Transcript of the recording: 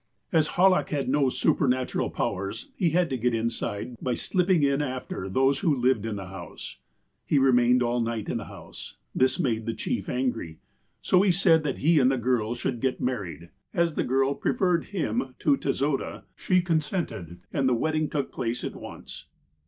As Hallach had no superuatural powers, he had to get inside by slipping in after those who lived in the house. "He remained all night in the house. This made the chief angry. So he said that he and the girl should get married. As the girl preferred him to Tezoda, she con sented, and the wedding took place at once.